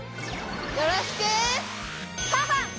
よろしくファンファン！